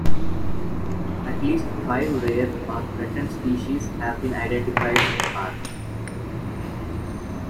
At least five rare or threatened species have been identified in the park.